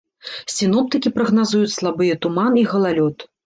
Сіноптыкі прагназуюць слабыя туман і галалёд.